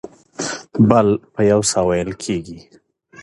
بل په یو ساه وېل کېږي.